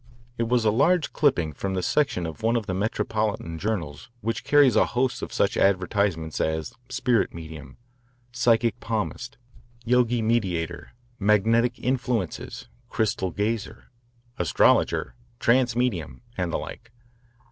It was a large clipping from the section of one of the metropolitan journals which carries a host of such advertisements as "spirit medium," "psychic palmist," "yogi mediator," "magnetic influences," "crystal gazer," "astrologer," "trance medium," and the like.